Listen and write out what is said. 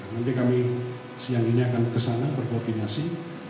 nanti kami siang ini akan kesana berkoordinasi